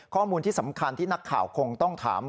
ข้อมูลที่สำคัญที่นักข่าวคงต้องถาม